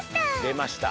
でました。